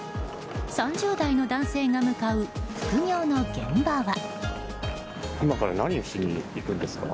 ３０代の男性が向かう副業の現場は。